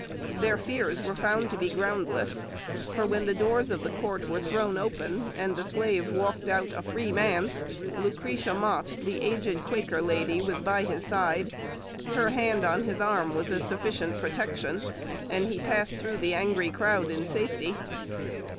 Their fears were found to be groundless, for when the doors of the court were thrown open, and the slave walked out, a free man, Lucretia Mott, the aged Quaker lady, was by his side; her hand on his arm was a sufficient protection, and he passed through the angry crowd in safety.